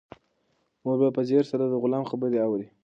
عمر په ځیر سره د غلام خبرې اوري.